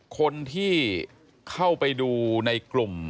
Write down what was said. คนที่เข้าไปดูในกลุ่ม